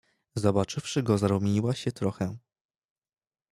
"Zobaczywszy go zarumieniła się trochę."